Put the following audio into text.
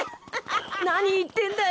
なに言ってんだよ